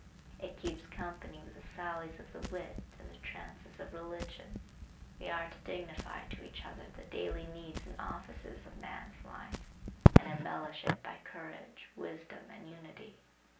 It keeps company with the sallies of the wit and the trances of religion. We are to dignify to each other the daily needs and offices of man's life, and embellish it by courage, wisdom and unity.